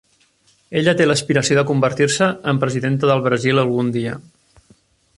Ella té l'aspiració de convertir-se en presidenta del Brasil algun dia.